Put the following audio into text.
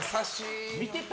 見てた？